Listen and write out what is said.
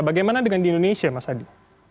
bagaimana dengan di indonesia mas adi